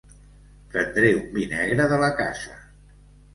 Prendré un vi negre de la casa.